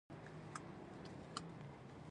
تۀ لۀ چاودلو شونډو پۀ ترنم راووځه !